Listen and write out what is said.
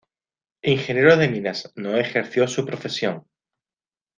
Ingeniero de minas, no ejerció su profesión.